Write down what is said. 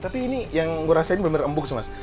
tapi ini yang gue rasainnya bener bener empuk sih mas